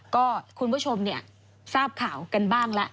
ก็คุณผู้ชมเนี่ยซาบข่าวกันบ้างละ